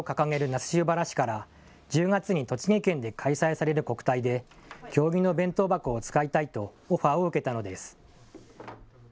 那須塩原市から１０月に栃木県で開催される国体で経木の弁当箱を使いたいとオファーを受けたのです。